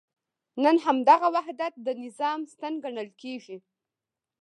نن همدغه وحدت د نظام ستن ګڼل کېږي.